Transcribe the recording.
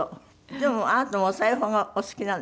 でもあなたもお裁縫がお好きなんですって？